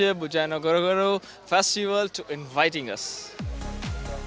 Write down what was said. terima kasih banyak banyak bojo nagoro festival untuk mengundang kami